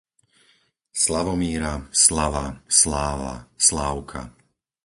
Slavomíra, Slava, Sláva, Slávka